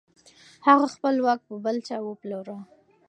هغه خپل واک په بل چا وپلوره.